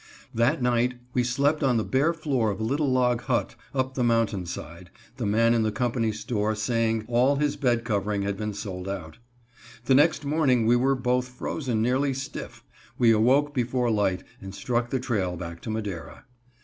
That night we slept on the bare floor of a little log hut up the mountain side, the man in the company store saying all his bed covering had been sold out. The next morning we were both frozen nearly stiff; we awoke before light and struck the trail back to Madera.